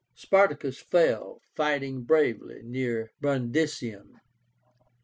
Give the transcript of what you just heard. Spartacus fell, fighting bravely, near Brundisium.